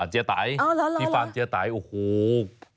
จี๊ยาไตที่ฟังจี๊ยาไตโอ้โหแล้วเหรอ